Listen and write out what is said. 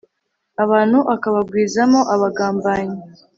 abantu akabagwizamo abagambanyi